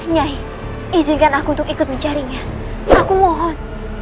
nyai izinkan aku untuk ikut mencarinya aku mohon